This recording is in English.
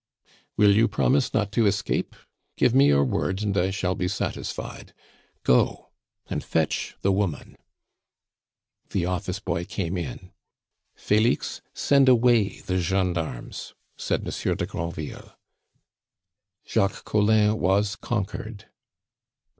"Will you promise not to escape? Give me your word, and I shall be satisfied. Go and fetch the woman." The office boy came in. "Felix, send away the gendarmes," said Monsieur de Granville. Jacques Collin was conquered.